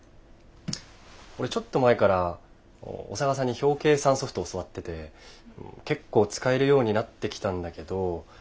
俺ちょっと前から小佐川さんに表計算ソフト教わってて結構使えるようになってきたんだけどそしたら。